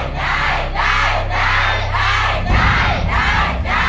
ได้ครับ